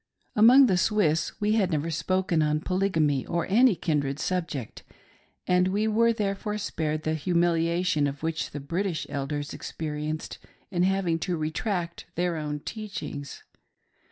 Among the Swiss we had never spoken on Polygamy or any kindred subject, and we were therefore spared the hurniliation which the British Elders experienced in having to retract their own teachings.